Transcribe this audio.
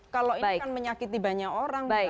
kalau ini kan menyakiti banyak orang